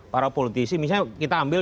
para politisi misalnya kita ambil